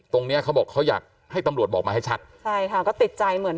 ตรงเนี้ยเขาบอกเขาอยากให้ตำรวจบอกมาให้ชัดใช่ค่ะก็ติดใจเหมือน